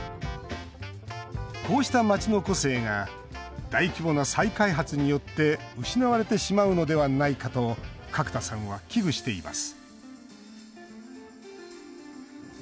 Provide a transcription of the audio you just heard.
こうした街の個性が大規模な再開発によって失われてしまうのではないかと角田さんは危惧しています